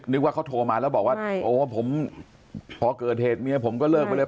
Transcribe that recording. นึกว่าเขาโทรมาแล้วบอกว่าโอ้ผมพอเกิดเหตุเมียผมก็เลิกไปเลย